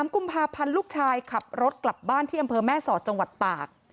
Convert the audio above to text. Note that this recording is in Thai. กุมภาพันธ์ลูกชายขับรถกลับบ้านที่อำเภอแม่สอดจังหวัดตาก